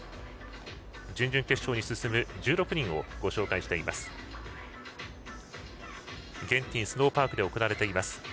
準々決勝に進む１６人をご紹介しています。